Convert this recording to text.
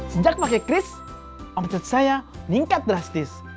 sejak pakai chris omzet saya meningkat drastis